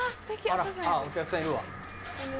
あらお客さんいるわ。